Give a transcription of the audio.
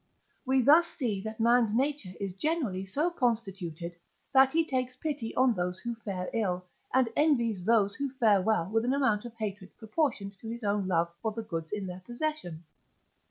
We thus see that man's nature is generally so constituted, that he takes pity on those who fare ill, and envies those who fare well with an amount of hatred proportioned to his own love for the goods in their possession.